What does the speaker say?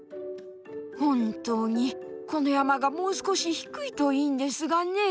「本当にこの山がもう少し低いといいんですがね。